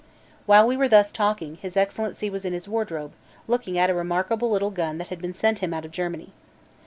While we were thus talking, his Excellency was in his wardrobe, looking at a remarkable little gun that had been sent him out of Germany.